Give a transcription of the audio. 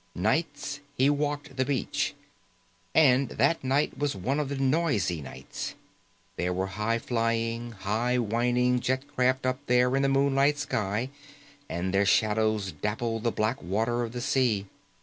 Nights he walked the beach, and that night was one of the noisy nights. There were high flying, high whining jet craft up there in the moonlight sky and their shadows dappled the black water of the sea.